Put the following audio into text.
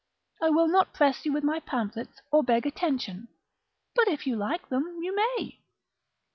I will not press you with my pamphlets, or beg attention, but if you like them you may.